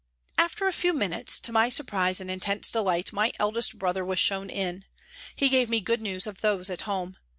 After a few minutes, to my surprise and intense delight, my eldest brother was shown in. He gave me good news of those at home.